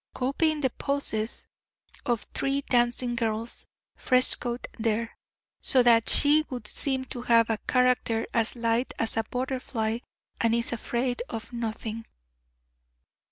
copying the poses of three dancing girls frescoed there! So that she would seem to have a character as light as a butterfly's, and is afraid of nothing.